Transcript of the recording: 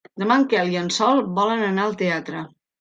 Demà en Quel i en Sol volen anar al teatre.